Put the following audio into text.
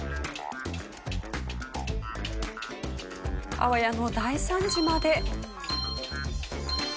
あわやの大惨事まで。